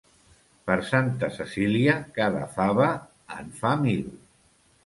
Per Santa Cecília cada fava en fa mil.